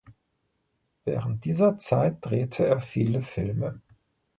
Während dieser Zeit drehte er viele Filme.